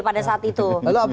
pada saat itu